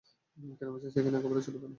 কেনা-বেচা সেখানে একেবারেই চলিবে না।